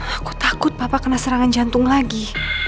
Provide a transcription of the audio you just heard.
aku takut papa kena serangan jantung lagi